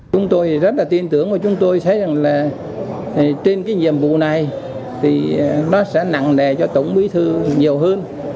chúng tôi rất là tin tưởng và chúng tôi thấy rằng là trên cái nhiệm vụ này thì nó sẽ nặng nề cho tổng bí thư nhiều hơn